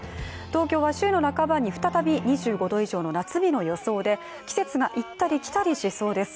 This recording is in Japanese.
東京は週の半ばに再び２５℃以上の夏日の予想で季節が行ったり来たりしそうです。